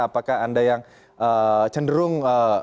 apakah anda yang cenderung